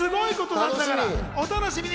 お楽しみに。